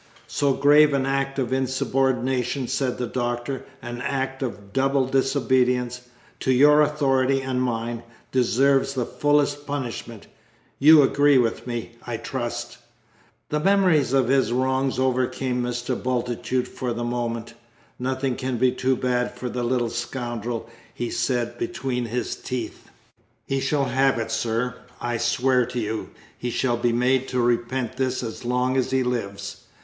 "So grave an act of insubordination," said the Doctor, "an act of double disobedience to your authority and mine deserves the fullest punishment. You agree with me, I trust?" The memory of his wrongs overcame Mr. Bultitude for the moment: "Nothing can be too bad for the little scoundrel!" he said, between his teeth. "He shall have it, sir, I swear to you; he shall be made to repent this as long as he lives.